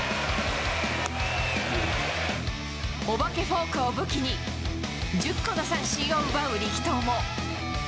お化けフォークを武器に１０個の三振を奪う力投も。